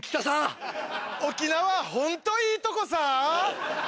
沖縄ホントいいとこさ！